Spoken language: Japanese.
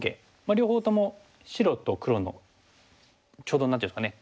両方とも白と黒のちょうど何ていうんですかね。